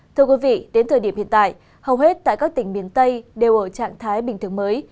thưa quý vị đến thời điểm hiện tại hầu hết tại các tỉnh miền tây đều ở trạng thái bình thường mới